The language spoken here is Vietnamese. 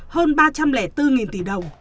hơn ba trăm linh bốn tỷ đồng